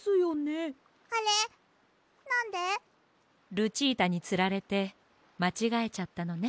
ルチータにつられてまちがえちゃったのね。